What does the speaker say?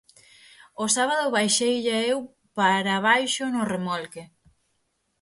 O sábado baixeilla eu para baixo no remolque.